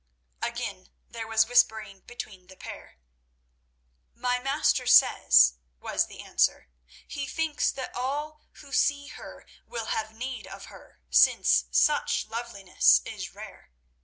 Again there was whispering between the pair. "My master says," was the answer, "he thinks that all who see her will have need of her, since such loveliness is rare.